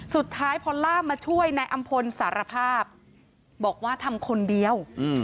สุดท้ายพอล่ามาช่วยนายอำพลสารภาพบอกว่าทำคนเดียว